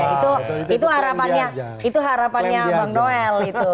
itu harapannya bang noel